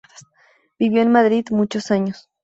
Vivió en Madrid muchos años.